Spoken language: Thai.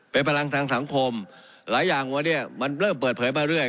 เป็นพลังทางสังคมหลายอย่างวันนี้มันเริ่มเปิดเผยมาเรื่อย